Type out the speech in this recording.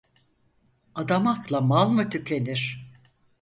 Adamakla mal mı tükenir?